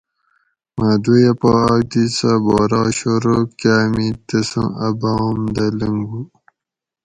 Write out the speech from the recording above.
مۤہ دُویہ پا آۤک دی سۤہ بورا شورو کاۤمیں تسوں اۤ بام دہ لنگُو